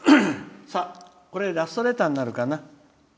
これでラストレターになるかな。